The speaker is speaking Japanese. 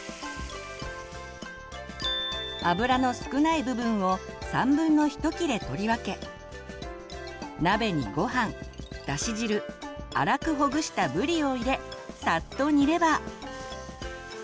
脂の少ない部分を1/3切れとりわけ鍋にごはんだし汁粗くほぐしたぶりを入れサッと煮れば。